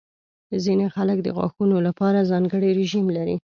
ځینې خلک د غاښونو لپاره ځانګړې رژیم لري.